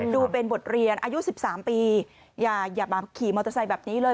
ดูเป็นบทเรียนอายุ๑๓ปีอย่ามาขี่มอเตอร์ไซค์แบบนี้เลย